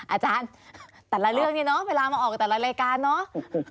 อาจารย์แต่ละเรื่องนี้เนาะเวลามาออกแต่ละรายการเนาะ